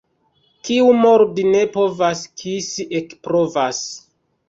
Kiu mordi ne povas, kisi ekprovas.